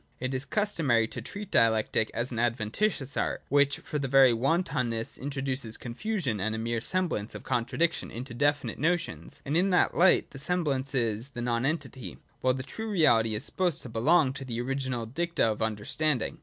(2) It is customary to treat Dialectic as an adven titious art, which for very wantonness introduces con fusion and a mere semblance of contradiction into definite notions. And in that light, the semblance is the nonentity, while the true reality is supposed to be long to the original dicta of understanding.